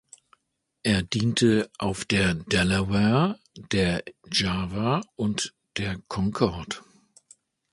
Er diente auf der „Delaware“, der „Java“ und der „Concord“.